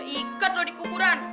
gue ikat lo di kukuran